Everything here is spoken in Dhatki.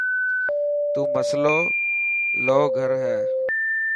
تون مصلي لو گھر هي.